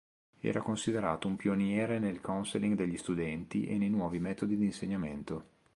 Era considerato un pioniere nel counseling degli studenti e nei nuovi metodi di insegnamento.